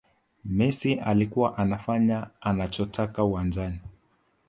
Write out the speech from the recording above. messi alikuwa anafanya anachotaka uwanjani